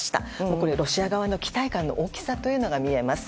ここにロシア側の期待感の大きさというのが見えます。